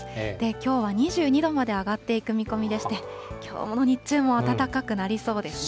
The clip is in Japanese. きょうは２２度まで上がっていく見込みでして、きょうの日中も暖かくなりそうですね。